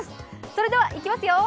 それでは、いきますよ。